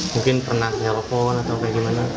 mungkin pernah telepon atau bagaimana